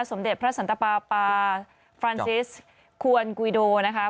สมเด็จพระสันตปาปาฟรานซิสควรกุยโดนะคะ